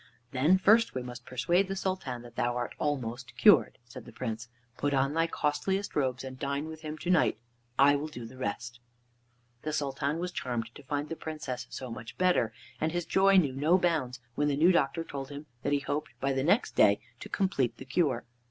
"Then first we must persuade the Sultan that thou art almost cured," said the Prince. "Put on thy costliest robes and dine with him to night, and I will do the rest." The Sultan was charmed to find the Princess so much better, and his joy knew no bounds when the new doctor told him that he hoped by the next day to complete the cure.